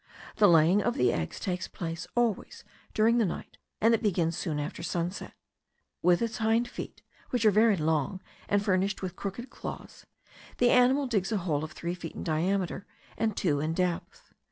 The laying of the eggs takes place always during the night, and it begins soon after sunset. With its hind feet, which are very long, and furnished with crooked claws, the animal digs a hole of three feet in diameter and two in depth.